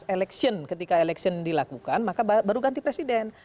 election ketika election dilakukan maka baru ganti presiden